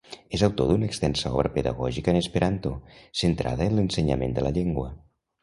És autor d'una extensa obra pedagògica en esperanto, centrada en l'ensenyament de la llengua.